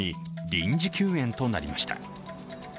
臨時休園となりました。